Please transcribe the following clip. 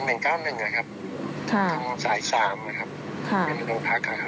แล้วก็ระหว่างทางก็